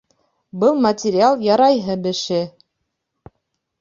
Был материал ярайһы беше